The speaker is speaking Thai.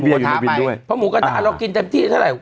กินด้วยเพราะหมูกระทะเรากินเต็มที่เท่าไหร่